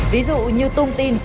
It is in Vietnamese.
ví dụ như tung tin